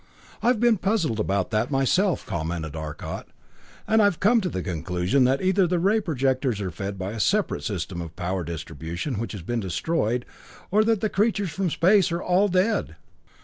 "I've been puzzled about that myself," commented Arcot, "and I've come to the conclusion that either the ray projectors are fed by a separate system of power distribution, which has been destroyed, or that the creatures from space are all dead."